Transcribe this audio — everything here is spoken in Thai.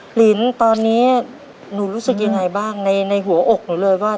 ลินตอนนี้หนูรู้สึกยังไงบ้างในหัวอกหนูเลยว่า